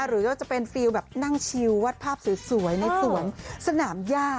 หรือว่าจะเป็นฟิลแบบนั่งชิลวาดภาพสวยในสวนสนามย่า